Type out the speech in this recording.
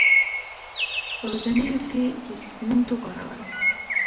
په ودانیو کې د سیمنټو کارول.